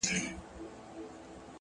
مور چي ژړيږي زوی يې تللی د کلو په سفر _